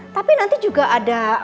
tapi nanti juga ada